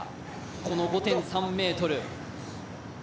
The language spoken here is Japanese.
この５．３ｍ。